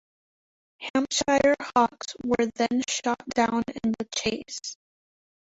Hampshire Hawks were then shot down in the chase.